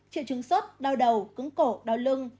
triệu chứng sốt đau đầu cứng cổ đau lưng